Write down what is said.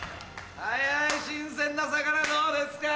・はいはい新鮮な魚どうですか？